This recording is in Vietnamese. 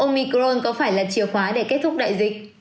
omicron có phải là chìa khóa để kết thúc đại dịch